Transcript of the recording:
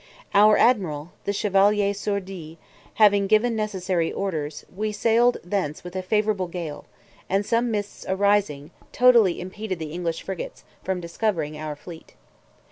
Our admiral, the Chevalier Sourdis, having given necessary orders, we sailed thence with a favourable gale, and some mists arising, totally impeded the English frigates from discovering our fleet.